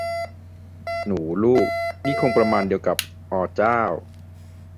'หนูลูก' นี่คงประมาณเดียวกับ 'ออเจ้า'